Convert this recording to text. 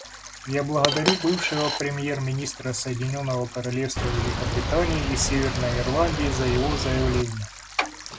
Я благодарю бывшего премьер-министра Соединенного Королевства Великобритании и Северной Ирландии за его заявление.